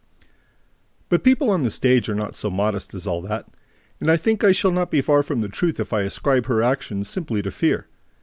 But people on the stage are not so modest as all that; and I think that I shall not be far from the truth if I ascribe her action simply to fear.